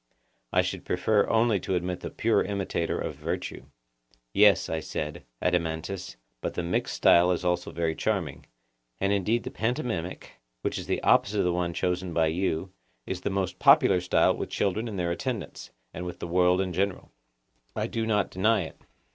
I should prefer only to admit the pure imitator of virtue. Yes, I said, Adeimantus, but the mixed style is also very charming: and indeed the pantomimic, which is the opposite of the one chosen by you, is the most popular style with children and their attendants, and with the world in general. I do not deny it.